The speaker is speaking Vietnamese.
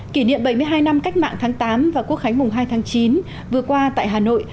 kỷ niệm bảy mươi hai năm cách mạng tháng tám và quốc khánh mùng hai tháng chín vừa qua tại hà nội